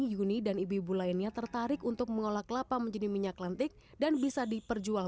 yuni dan ibu ibu lainnya tertarik untuk mengolah kelapa menjadi minyak lentik dan bisa diperjuang